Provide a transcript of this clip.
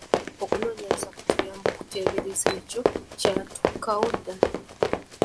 Okunoonyeraza kutuyamba okuteebereza ekyo kyatuukawo ddala.